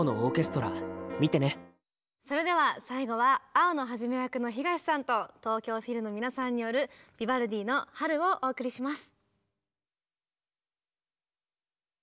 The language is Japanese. それでは最後は青野一役の東さんと東京フィルの皆さんによるヴィヴァルディの「春」をお送りします。